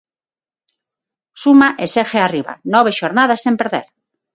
Suma e segue arriba: nove xornadas sen perder.